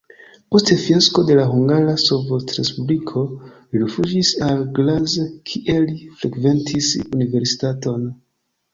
Post fiasko de la Hungara Sovetrespubliko li rifuĝis al Graz, kie li frekventis universitaton.